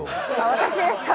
私ですか？